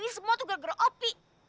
ini semua tuh gara gara opi